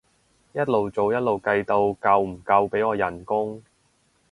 一路做一路計到夠唔夠俾我人工